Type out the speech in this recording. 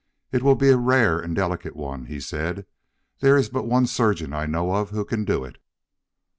"It will be a rare and delicate one," he said. "There is but one surgeon I know of who can do it."